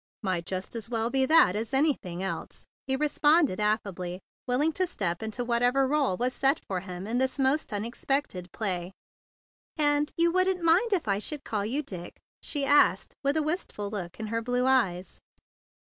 "Might just as well be that as any¬ thing else," he responded, affably, will¬ ing to drop into whatever role was set for him in this most unexpected byplay. "And you wouldn't mind if I should call you Dick?" she asked with a wistful look in her blue eyes.